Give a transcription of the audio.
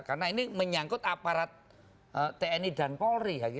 karena ini menyangkut aparat tni dan polri